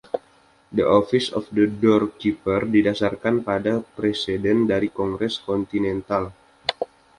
The Office of the Doorkeeper didasarkan pada preseden dari Kongres Kontinental.